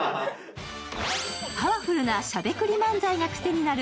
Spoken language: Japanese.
パワフルなしゃべくり漫才か癖になる